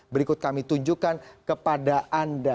berikut kami tunjukkan kepada anda